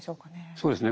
そうですね。